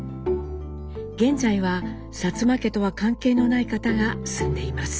現在は薩摩家とは関係のない方が住んでいます。